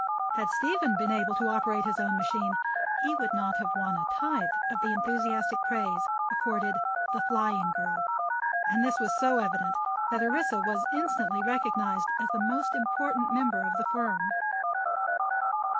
Had Stephen been able to operate his own machine he would not have won a tithe of the enthusiastic praise accorded "The Flying Girl," and this was so evident that Orissa was instantly recognized as the most important member of the firm.